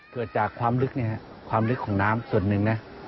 เกิดจากความลึกความลึกของน้ำส่วนหนึ่งนะ